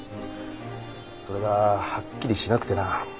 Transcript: それがはっきりしなくてな。